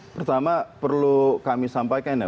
pertama perlu kami sampaikan ya